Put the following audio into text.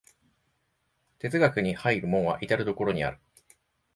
哲学に入る門は到る処にある。